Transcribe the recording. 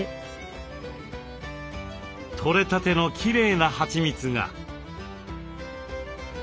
とれたてのきれいなはちみつが。